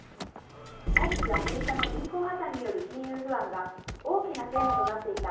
相次ぐアメリカの銀行破綻による金融不安が、大きなテーマとなっていた